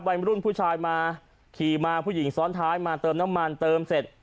วัยรุ่นผู้ชายมาขี่มาผู้หญิงซ้อนท้ายมาเติมน้ำมันเติมเสร็จ